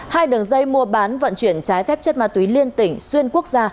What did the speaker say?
hai đường dây mua bán vận chuyển trái phép chất ma túy liên tỉnh xuyên quốc gia